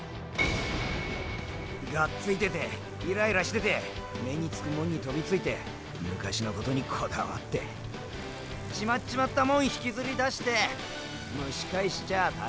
がっついててイライラしてて目につくもんに飛びついて昔のことにこだわってしまっちまったもん引きずり出して蒸し返しちゃあ他人にあたんだ。